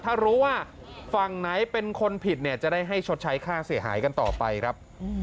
ถ้ารู้ว่าฝั่งไหนเป็นคนผิดเนี่ยจะได้ให้ชดใช้ค่าเสียหายกันต่อไปครับ